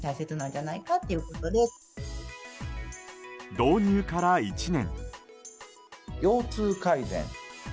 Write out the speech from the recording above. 導入から１年。